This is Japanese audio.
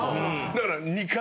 だから。